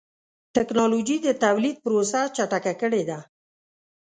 ټکنالوجي د تولید پروسه چټکه کړې ده.